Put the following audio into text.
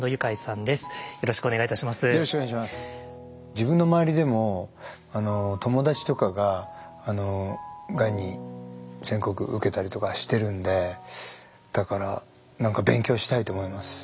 自分の周りでも友達とかががんに宣告受けたりとかしてるんでだから何か勉強したいと思います。